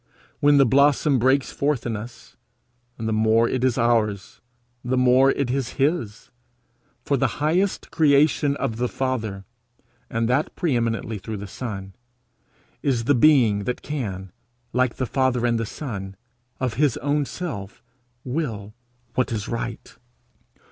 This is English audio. When the blossom breaks forth in us, the more it is ours the more it is his, for the highest creation of the Father, and that pre eminently through the Son, is the being that can, like the Father and the Son, of his own self will what is right.